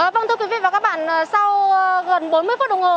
vâng thưa quý vị và các bạn sau gần bốn mươi phút đồng hồ